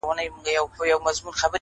د تل لپاره ـ